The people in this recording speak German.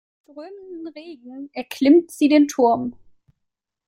Im strömenden Regen erklimmt sie den Turm.